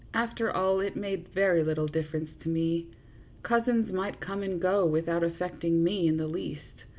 After all, it made very little difference to me. Cousins might come and go without affecting me in the least.